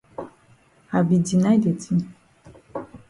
I be deny de tin.